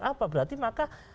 apa berarti maka